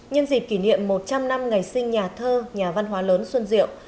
nhân dịp kỷ niệm một trăm linh năm ngày sinh nhà thơ nhà văn hóa lớn xuân diệu